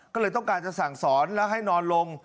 ก็เลยต้องการจะสั่งสอนแล้วให้นอนลง